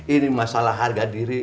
ini masalah harga diri